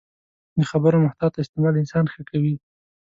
د خبرو محتاط استعمال انسان ښه کوي